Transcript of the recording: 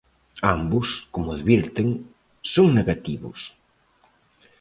Ambos, como advirten, "son negativos".